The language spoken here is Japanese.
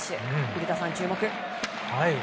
古田さん、注目。